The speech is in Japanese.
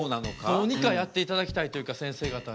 どうにかやっていただきたいというかせんせい方に。